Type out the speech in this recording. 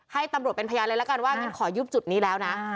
ให้ตำรวจเป็นพยานเลยละกันว่างั้นขอยุบจุดนี้แล้วนะ